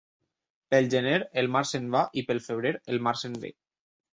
Pel gener el mar se'n va i pel febrer el mar se'n ve.